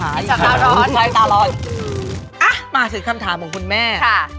อ่ะมาเสร็จคำถามของคุณแม่